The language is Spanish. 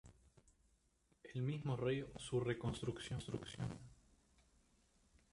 El mismo rey ordenó su reconstrucción.